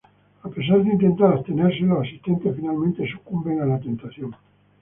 A pesar de intentar abstenerse, los asistentes finalmente sucumben a la tentación.